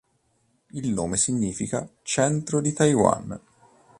Il nome significa "Centro di Taiwan".